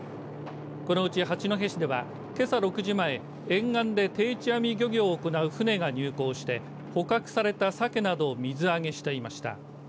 このうち八戸市では、けさ６時前沿岸で定置網漁業を行う船が入港して捕獲されたサケなどを水揚げしていました。